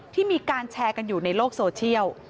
ที่มีการแชร์กันอยู่ในโลกโซเชียล